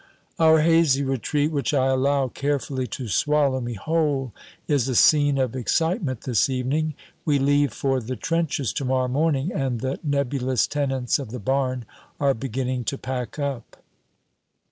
Our hazy retreat, which I allow carefully to swallow me whole, is a scene of excitement this evening. We leave for the trenches to morrow morning, and the nebulous tenants of the barn are beginning to pack up.